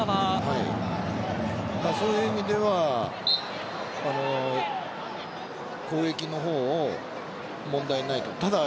そういう意味では攻撃の方は問題ないと。